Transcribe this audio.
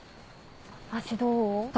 足どう？